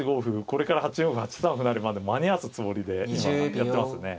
これから８四歩８三歩成まで間に合わすつもりで今やってますね。